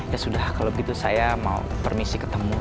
ya sudah kalau begitu saya mau permisi ketemu